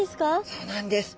そうなんです。